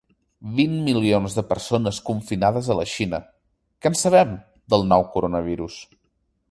Vint milions de persones confinades a la Xina: què en sabem, del nou coronavirus?